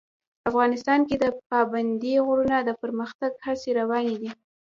افغانستان کې د پابندی غرونه د پرمختګ هڅې روانې دي.